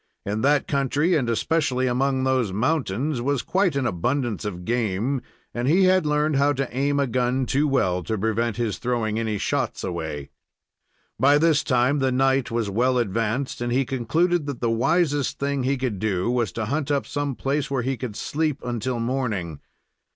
In that country, and especially among those mountains, was quite an abundance of game, and he had learned how to aim a gun too well to prevent his throwing any shots away. By this time the night was well advanced, and he concluded that the wisest thing he could do was to hunt up some place where he could sleep until morning.